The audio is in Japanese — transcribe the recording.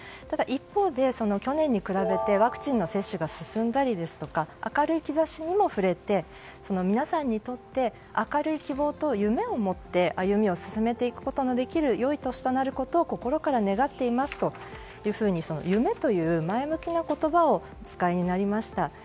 ただ、一方で去年に比べてワクチンの接種が進んだりですとか明るい兆しにも触れて皆さんにとって明るい希望と夢を持って歩みを進めていくことのできる良い年になることを心から願っていますというふうに夢という前向きな言葉をお使いになりました。